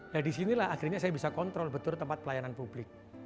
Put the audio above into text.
nah disinilah akhirnya saya bisa kontrol betul tempat pelayanan publik